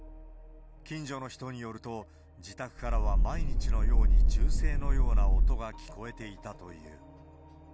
近所の人によると、自宅からは毎日のように銃声のような音が聞こえていたという。